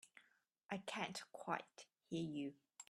I can't quite hear you.